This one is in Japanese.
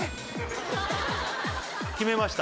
決めました。